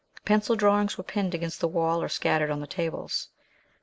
Pencil drawings were pinned against the wall or scattered on the tables.